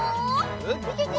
ウキキキ！